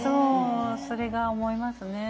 それが思いますね。